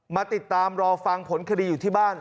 มาติดตามรอฟังผลคดีอยู่ที่บ้าน